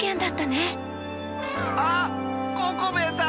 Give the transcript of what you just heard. あっココベエさん！